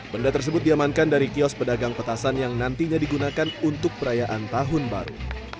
benda tersebut diamankan dari kios pedagang petasan yang nantinya digunakan untuk perayaan tahun baru